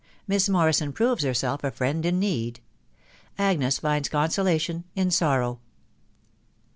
— MISS MORRISON PROVES HERSELF A FRIEND IN NEED. AGNES FINDS CONSOLATION IN SORROW.